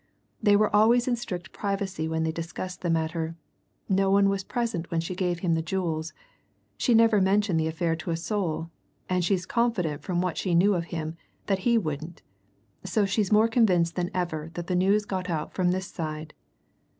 They were always in strict privacy when they discussed the matter; no one was present when she gave him the jewels; she never mentioned the affair to a soul, and she's confident from what she knew of him, that he wouldn't. So she's more convinced than ever that the news got out from this side."